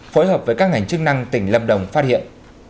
phối hợp với các ngành chức năng tỉnh lâm đồng phát hiện